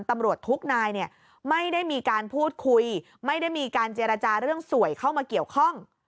ไม่ได้มีการพูดคุยไม่ได้มีการเจรจาเรื่องสวยเข้ามาเกี่ยวข้อง